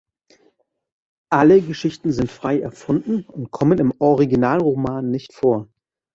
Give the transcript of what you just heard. Alle Geschichten sind frei erfunden und kommen im Original-Roman nicht vor.